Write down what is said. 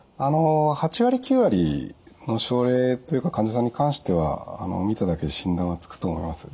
８割９割の症例というか患者さんに関しては見ただけで診断はつくと思います。